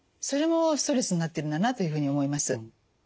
それもストレスになってるんだなというふうに思います。